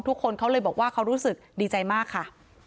ทุกคนเขาเลยบอกว่าเขารู้สึกดีใจมากค่ะ